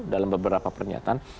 dalam beberapa pernyataan